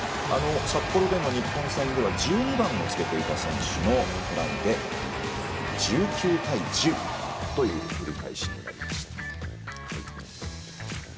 札幌での日本戦では１２番を付けていた選手のトライで１９対１０という折り返しになりました。